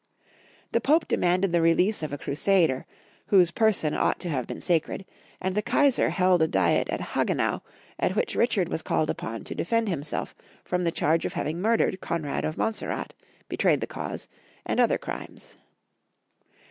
The Pope demanded the 160 Toung Folki' Hiatory of Q ermany. release of a cnisader, whose person ought to have been sacred, nnd the Kaisar held a diet at Hagenau, at which Richard was called upon to defend hira Belf from the charge of having murdered Konrad of Monseirat, betrayed the cause, and other crimes.